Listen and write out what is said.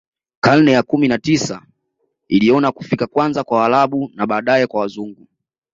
Karne ya kumi na tisa iliona kufika kwanza kwa Waarabu na baadae kwa Wazungu